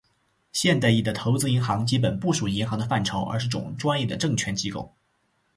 现代意义的投资银行基本不属于银行的范畴，而是种专业证券机构。